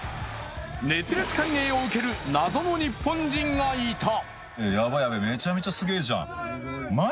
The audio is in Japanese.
熱烈歓迎を受ける謎の日本人がいた。